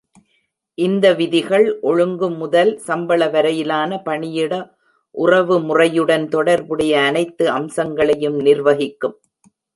இந்த விதிகள் ஒழுங்கு முதல் சம்பளம் வரையிலான பணியிட உறவுமுறையுடன் தொடர்புடைய அனைத்து அம்சங்களையும் நிர்வகிக்கும்.